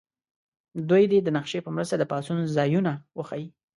دوی دې د نقشې په مرسته د پاڅون ځایونه وښیي.